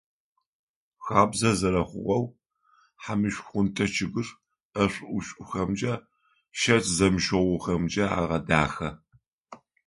Хабзэ зэрэхъугъэу, хьамышхунтӏэ чъыгыр ӏэшӏу-ӏушӏухэмкӏэ, шэкӏ зэмышъогъухэмкӏэ агъэдахэ.